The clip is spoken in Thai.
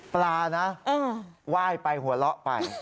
ปลานะไหว้ไปหัวเราะไป